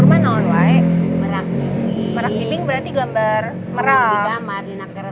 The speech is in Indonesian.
merah piring berarti gambar